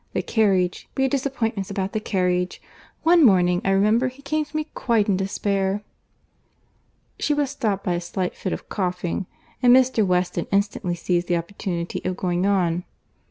The carriage—we had disappointments about the carriage;—one morning, I remember, he came to me quite in despair." She was stopped by a slight fit of coughing, and Mr. Weston instantly seized the opportunity of going on.